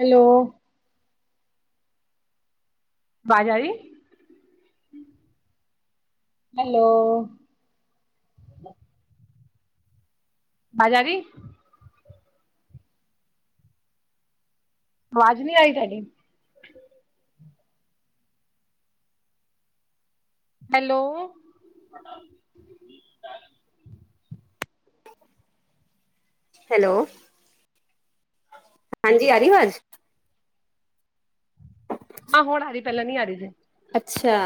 Hello. ਵਾਜ ਆਰੀ hello ਵਾਜ ਆਰੀ? ਆਵਾਜ਼ ਨੀ ਆਈ ਤੁਹਾਡੀ। ਹੈਲੋ। ਹੈਲੋ। ਹਾਂਜੀ ਆਰੀ ਵਾਜ਼। ਹਾਂ ਹੁਣ ਆ ਰੀ ਪੈਲਾਂ ਨੀ ਆ ਰੀ ਸੀ। ਅੱਛਾ।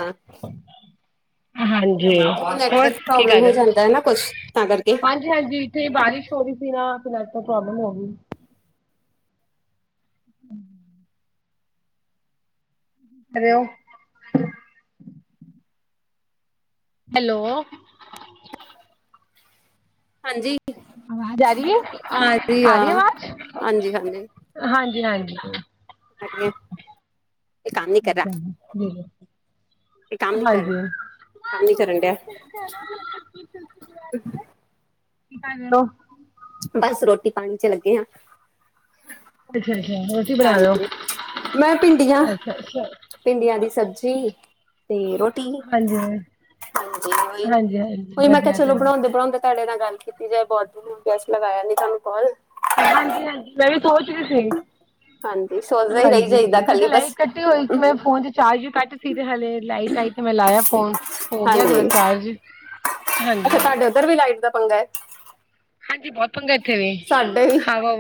ਹਾਂਜੀ ਉਹ ਹੋਰ ਨੈਟਵਰਕ ਕੀ ਕਰ ਪ੍ਰੋਬਲਮ ਹੋ ਰੇ ਜਾਂਦਾ ਹੈ ਨਾ ਕੁਛ [unintelligible] ਤਾਂ ਕਰਕੇ ਜੀਭਹਾਂਜੀ ਇੱਥੇ ਬਾਰਿਸ਼ ਹੋਰੀ ਸੀ ਨਾ ਫੇ ਨੈੱਟਵਰਕ ਪ੍ਰੋਬਲਮ ਹੋਗੀ। ਹੂੰ। [unintelligible] ਹੈਲੋ। ਹਾਂਜੀ। ਆਵਾਜ਼ ਆ ਰੀਆ ਆ ਰਹੀ ਆਰੀ ਆ ਆਵਾਜ਼ ਹਾਂਜੀ ਹਾਂਜੀ-ਹਾਂਜੀ ਹੈਗੇ [inaudible] ਏ ਕੰਮ ਨੀ ਕਰ ਹਾਂਜੀ ਹੈਲੋ ਕੰਮ ਨੀ ਕਰਨ ਡੇਯਾ। [unintelligible] ਬਸ ਰੋਟੀ ਪਾਣੀ ਚ ਲੱਗੇ ਆ। ਅੱਛਾ-ਅੱਛਾ ਰੋਟੀ ਬਣਾਰੇੳ ਹਾਂਜੀ ਮੈਂ ਭਿੰਡੀਆਂ ਅੱਛਾ-ਅੱਛਾ ਭਿੰਡੀਆਂ ਦੀ ਸਬਜ਼ੀ ਤੇ ਰੋ ਟੀ ਹਾਂਜੀ ਹਾਂਜੀ ਹਾਂਜੀ ਹਾਂਜੀ ਓਈ-ਓਈ ਮੈਂ ਕਿਆ ਵਧੀਆ ਤੇ ਚਲੋ ਬਨੋਂਦੇ-ਬਨੋਂਦੇ ਤੁਹਾਡੇ ਨਾਲ ਗੱਲ ਕੀਤੀ ਜਾਏ ਬੋਤ [unintelligible] ਲਗਾਇਆ ਨੀ ਤੁਹਾਨੂੰ ਕੋਲ। ਹਾਂਜੀ-ਹਾਂਜੀ ਮੈਂ ਵੀ ਸੋਚ ਰੀ ਸੀ। ਹਾਂਜੀ। ਸੋਚਦਾ ਹੀ ਰਹੀ ਹਾਂਜੀ ਜਾਈਦਾ ਕਿਉੰਕੀ ਤੇੇ ਖਾਲੀ ਲਾਈਟ ਬਸ ਕੱਟੀ ਹੋਈ ਸੀ ਮੈਂ ਫੋਨ ਚ ਚਾਰਜ ਕੱਟ ਸੀ ਤੇ ਹਲੇ ਲਾਈਟ ਆਈ ਤੇ ਮੈਂ ਲਾਇਆ ਫੋਨ ਹੋਗਿਆ ਹਾਂਜੀ ਥੋੜਾ ਚਾਰਜ। ਅੱਛਾ ਹਾਂਜੀ ਤੁਹਾਡੇ ਉੱਧਰ ਵੀ ਲਾਈਟ ਦਾ ਪੰਗਾ ਐ। ਹਾਂਜੀ ਬੋਤ ਪੰਗਾ ਇੱਥੇ ਵੀ ਸਾਡੇ ਵੀ ਹਵਾ